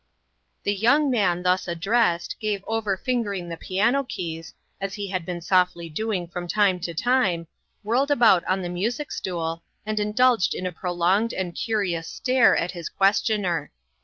THE young man thus addressed gave over fingering the piano keys, as he had been softly doing from time to time, whirled about on the music stool, and indulged in a prolonged and curious stare at his questioner.